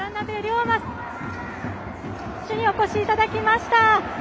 磨選手にお越しいただきました。